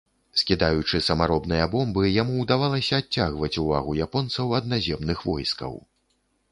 Скідаючы самаробныя бомбы, яму ўдавалася адцягваць увагу японцаў ад наземных войскаў.